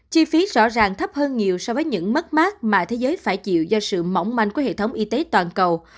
chi phí rõ ràng thấp hơn nhiều so với những mất mát mà thế giới phải chịu do sự mỏng manh của hệ thống y tế toàn cầu